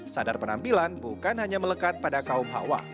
sadar penampilan bukan hanya melekat pada kaum hawa